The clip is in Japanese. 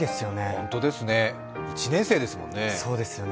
本当ですね、１年生ですもんね。